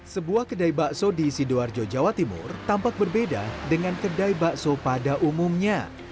sebuah kedai bakso di sidoarjo jawa timur tampak berbeda dengan kedai bakso pada umumnya